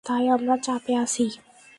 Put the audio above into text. তাই আমরা চাপে আছি।